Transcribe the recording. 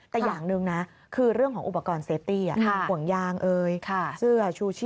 แต่อย่างหนึ่งนะคือเรื่องของอุปกรณ์เซฟตี้ห่วงยางเสื้อชูชี